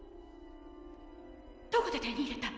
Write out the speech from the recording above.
どこで手に入れた？